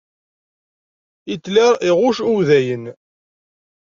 Hitler iɣuc Udayen.